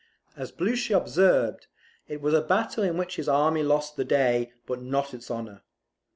As Blucher observed, it was a battle in which his army lost the day but not its honour.